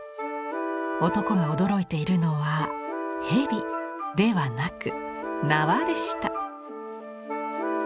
男が驚いているのは蛇ではなく縄でした。